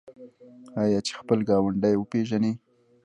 آیا چې خپل ګاونډی وپیژني؟